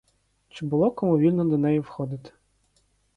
Чи було кому вільно до неї входити?